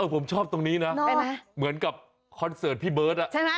ผมชอบตรงนี้นะเหมือนกับคอนเสิร์ตพี่เบิร์ตใช่ไหม